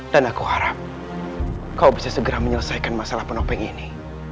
aku harap kau bisa segera menyelesaikan masalah penopeng ini